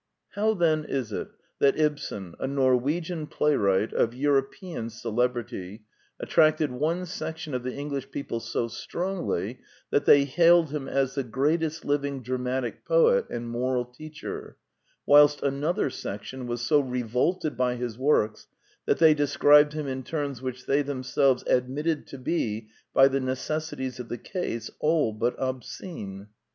How then is it that Ibsen, a Norwegian play wright of European celebrity, attracted one sec tion of the English people so strongly that they hailed him as the greatest living dramatic poet and moral teacher, whilst another section was so revolted by his works that they described him in terms which they themselves admitted to be, by the necessities of the case, all but obscene?